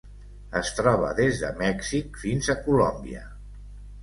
Es troba des de Mèxic fins a Colòmbia.